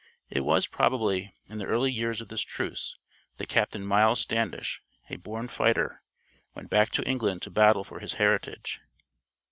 It was, probably, in the early years of this truce that Captain Miles Standish, a born fighter, went back to England to battle for his heritage.